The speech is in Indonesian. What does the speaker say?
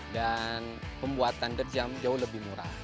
dan pembuatan dirt jump jauh lebih murah